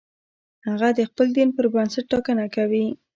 هغه د خپل دین پر بنسټ ټاکنه کوي.